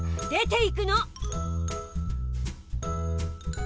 出ていくの！